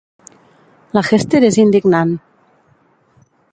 La Hester és indignant.